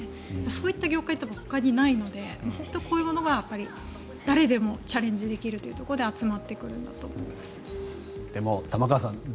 そういった業界ってほかにないので本当、こういうものが誰でもチャレンジできるということででも玉川さん